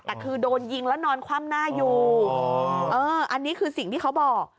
แต่คือโดนยิงแล้วนอนคว่ำหน้าอยู่อันนี้คือสิ่งที่เขาบอก